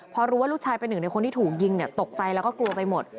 พอรู้ว่าลูกชายเป็นหนึ่งในคนที่ถูกยิงตกใจแล้วก็กลัวไปหมด